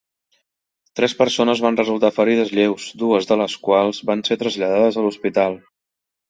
Tres persones van resultar ferides lleus, dues de les quals van ser traslladades a l'hospital.